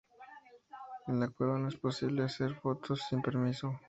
En la cueva no es posible hacer fotos sin permiso.